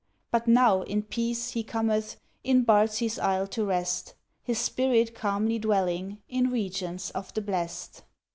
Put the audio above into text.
But now, in peace, he cometh, In Bardsey's Isle to rest, His spirit calmly dwelling In regions of the blest.